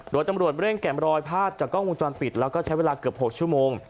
โดยตำรวจเร่งแก่มรอยภาพจากกล้องวงจรปิดแล้วก็ใช้เวลาเกือบ๖ชั่วโมง